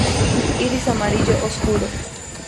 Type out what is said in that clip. Iris amarillo oscuro.